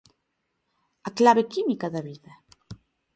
A clave química da vida.